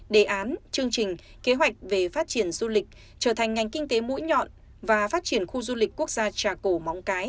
đề án chương trình kế hoạch về phát triển du lịch trở thành ngành kinh tế mũi nhọn và phát triển khu du lịch quốc gia trà cổ móng cái